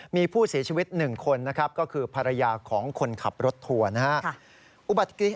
มีผู้เสียชีวิต๑คนก็คือภรรยาของคนขับรถทัวร์